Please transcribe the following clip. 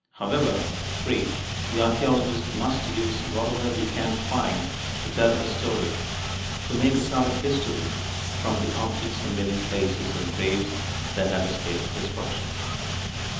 However, 3. The archeologist must use whatever he can find to tell a story to make a "sort of history" from the objects and living places and graves that have escaped destruction.